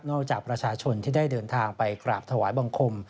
จากประชาชนที่ได้เดินทางไปกราบถวายบังคม